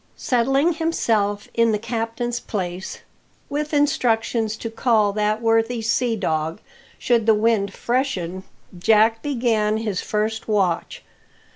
Settling himself in the captain's place, with instructions to call that worthy sea dog should the wind freshen, Jack began his first watch.